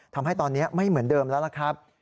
ทำให้ตอนนี้ไม่เหมือนเดิมแล้วล่ะครับ